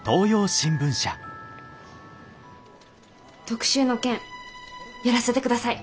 特集の件やらせてください。